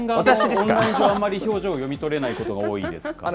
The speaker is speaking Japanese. オンライン上、あんまり表情を読み取れないことが多いですかね。